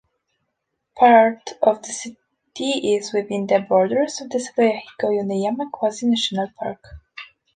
Part of the city is within the borders of the Sado-Yahiko-Yoneyama Quasi-National Park.